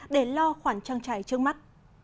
để lo khoản trang trải trước mắt